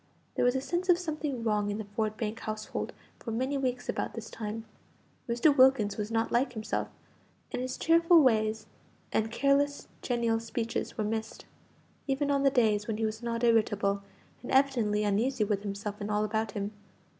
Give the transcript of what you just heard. There was a sense of something wrong in the Ford Bank household for many weeks about this time. Mr. Wilkins was not like himself, and his cheerful ways and careless genial speeches were missed, even on the days when he was not irritable, and evidently uneasy with himself and all about him.